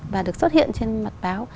và được xuất hiện trên mặt báo